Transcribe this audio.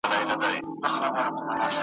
تل به نه وي زموږ په مېنه د تیارې ابۍ شریکه ,